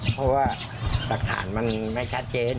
เพราะว่าหลักฐานมันไม่ชัดเจน